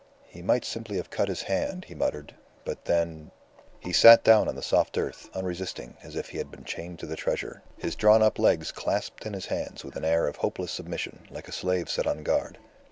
"He might simply have cut his hand," he muttered. "But, then " He sat down on the soft earth, unresisting, as if he had been chained to the treasure, his drawn up legs clasped in his hands with an air of hopeless submission, like a slave set on guard.